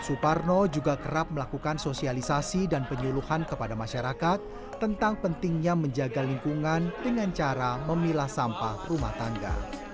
suparno juga kerap melakukan sosialisasi dan penyuluhan kepada masyarakat tentang pentingnya menjaga lingkungan dengan cara memilah sampah rumah tangga